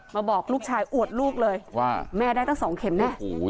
บอกลูกชายอวดลูกเลยว่าแม่ได้ตั้ง๒เข็มแน่